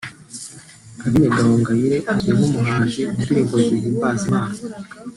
Aline Gahongayire azwi nk’umuhanzikazi mu ndirimbo zihimbaza Imana